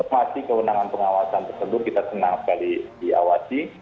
jadi kita masih kewenangan pengawasan tersebut kita senang sekali diawasi